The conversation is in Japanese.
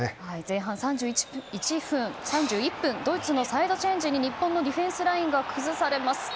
前半３１分ドイツのサイドチェンジに日本のディフェンスラインが崩されます。